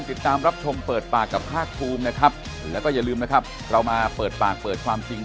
ขอแสดงความเสียใจด้วยจริง